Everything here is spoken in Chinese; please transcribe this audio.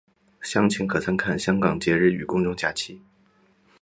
详情可参看香港节日与公众假期。